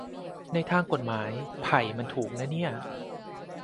ในทางกฎหมาย ไผ่มันถูกนะเนี่ย